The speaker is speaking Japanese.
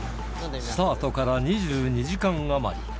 スタートから２２時間余り。